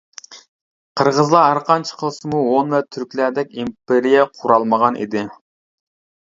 قىرغىزلار ھەرقانچە قىلسىمۇ ھون ۋە تۈركلەردەك ئىمپېرىيە قۇرالمىغان ئىدى.